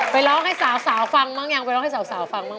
ไปร้องให้ซาวฟังบ้างมั่งยังไปร้องให้ซาวฟังยังไปร้องให้ซาว